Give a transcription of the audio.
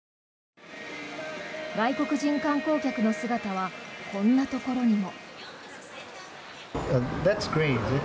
外国人観光客の姿はこんなところにも。